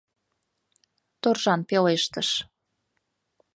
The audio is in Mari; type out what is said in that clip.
- торжан пелештыш.